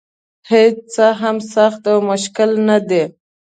هېڅ څه هم سخت او مشکل نه دي.